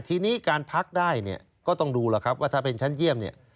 ทีนี้การพักได้เนี่ยก็ต้องดูแล้วครับว่าถ้าเป็นชั้นเยี่ยมเนี่ย